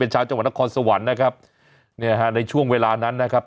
ชาวจังหวัดนครสวรรค์นะครับเนี่ยฮะในช่วงเวลานั้นนะครับ